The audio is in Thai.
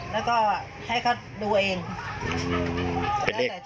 แล้วก็ให้เขาดูเอง